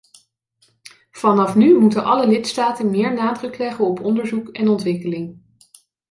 Vanaf nu moeten alle lidstaten meer nadruk leggen op onderzoek en ontwikkeling.